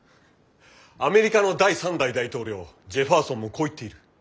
アメリカの第３代大統領ジェファーソンもこう言っている。